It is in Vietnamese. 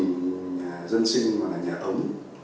nhà dân sinh và nhà ấm